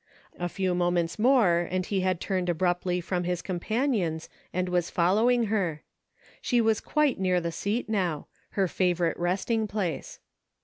A few moments more and he had turned abruptly from his companions and was following her. She was quite near the seat now — her favorite resting place.